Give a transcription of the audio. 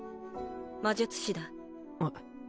魔術師だえっ？